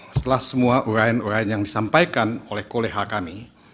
majelis hakim konstitusi yang kami muliakan